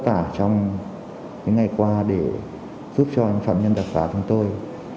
và trong những ngày qua để giúp cho anh phạm nhân đặc giá của chúng tôi